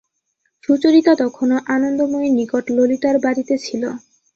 সুচরিতা তখনো আনন্দময়ীর নিকট ললিতার বাড়িতে ছিল।